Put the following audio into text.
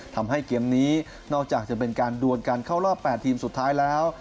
ทำให้เกมนี้นอกจากจะเป็นการดวนการเข้ารอบ๘ทีมสุดท้ายแล้ว